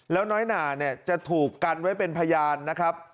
แล้วน้อยหนาเนี่ยจะถูกกันไว้เป็นพยานนะครับ